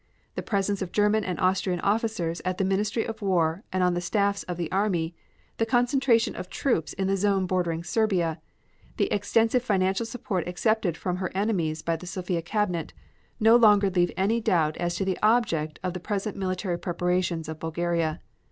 The presence of German and Austrian officers at the Ministry of War and on the staffs of the army, the concentration of troops in the zone bordering on Serbia, and the extensive financial support accepted from her enemies by the Sofia Cabinet, no longer leave any doubt as to the object of the present military preparations of Bulgaria.